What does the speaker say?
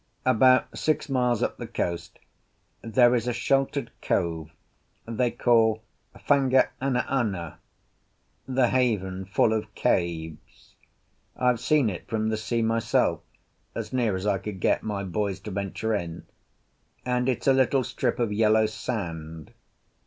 About six miles up the coast there is a sheltered cove they call Fanga anaana—"the haven full of caves." I've seen it from the sea myself, as near as I could get my boys to venture in; and it's a little strip of yellow sand.